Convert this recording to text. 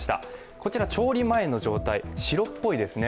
こちら調理前の状態、白っぽいですね。